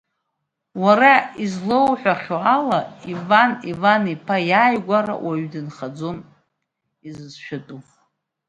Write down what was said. Уара излоуҳәахьоу ала Иван Иваниԥа иааигәара уаҩы дынхаӡом, изыцәшәатәу.